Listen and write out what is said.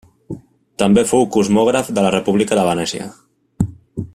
També fou cosmògraf de la República de Venècia.